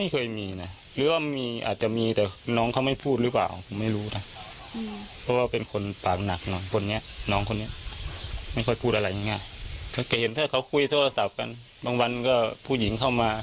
เคยเห็นถ้าเขาคุยโทรศัพท์กันบางวันก็ผู้หญิงเข้ามา